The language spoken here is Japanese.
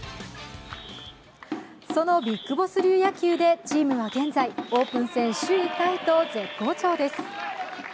そのビッグボス流野球でチームは現在、オープン戦で首位タイと絶好調です。